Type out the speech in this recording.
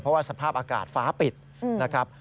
เพราะว่าสภาพอากาศฟ้าปิดนะครับ